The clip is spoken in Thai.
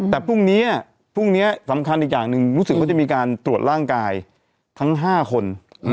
แต่พรุ่งนี้สำคัญอีกอย่างนึงมันจะมีการตรวจร่างกายทั้ง๕คน